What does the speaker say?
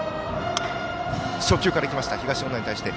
初球からいきました東恩納に対して。